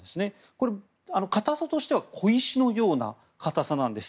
これ、硬さとしては小石のような硬さなんです。